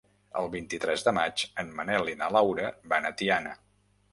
El vint-i-tres de maig en Manel i na Laura van a Tiana.